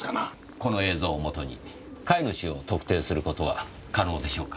この映像をもとに飼い主を特定する事は可能でしょうか？